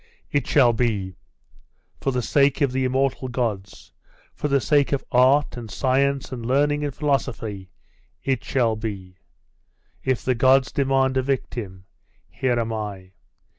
'It shall be. For the sake of the immortal gods for the sake of art, and science, and learning, and philosophy.... It shall be. If the gods demand a victim, here am I.